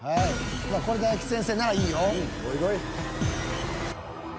これ大吉先生ならいいよ。